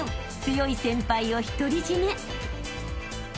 ［強い先輩を独り占め］